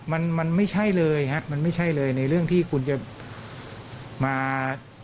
มันมันไม่ใช่เลยฮะมันไม่ใช่เลยในเรื่องที่คุณจะมา